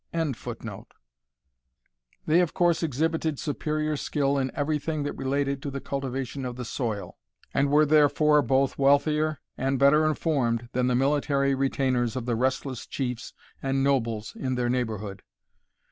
] They of course exhibited superior skill in every thing that related to the cultivation of the soil, and were therefore both wealthier and better informed than the military retainers of the restless chiefs and nobles in their neighbourhood.